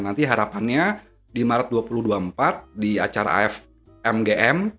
nanti harapannya di maret dua ribu dua puluh empat di acara afm